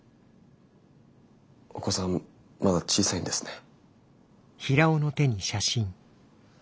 お子さんまだ小さいんですね。